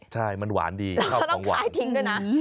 ใช่มันหวานดีเข้าของหวานแล้วก็ต้องคลายทิ้งด้วยนะ